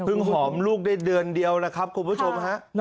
หอมลูกได้เดือนเดียวนะครับคุณผู้ชมฮะ